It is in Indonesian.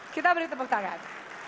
kita beri tepuk tangan